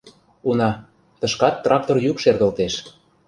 Уна, тышкат трактор йӱк шергылтеш.